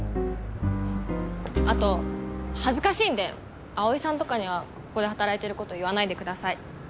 あと恥ずかしいんで青井さんとかにはここで働いてること言わないでください。